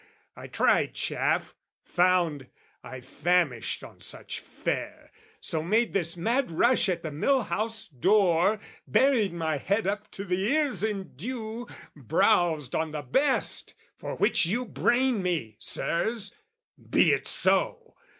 I tried chaff, found I famished on such fare, So made this mad rush at the mill house door, Buried my head up to the ears in dew, Browsed on the best, for which you brain me, Sirs! Be it so!